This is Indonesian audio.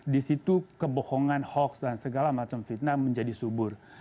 di situ kebohongan hoax dan segala macam fitnah menjadi subur